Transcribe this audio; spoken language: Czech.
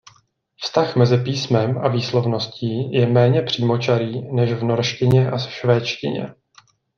Vztah mezi písmem a výslovností je méně přímočarý než v norštině a švédštině.